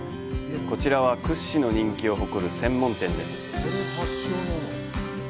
こちらは屈指の人気を誇る専門店です。